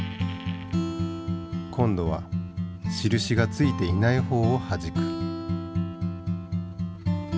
今度は印が付いていない方をはじく。